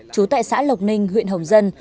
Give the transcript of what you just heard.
chú tại xã lộc ninh huyện hồng dân